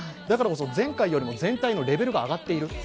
だからこそ、前回よりも全体のレベルが上がっている。